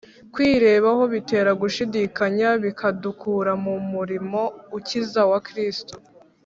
Kwirebaho bitera gushidikanya bikadukura mu murimo ukiza wa Kristo.